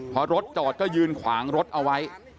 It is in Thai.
พอรถจอดก็ยืนขวางรถเอาไว้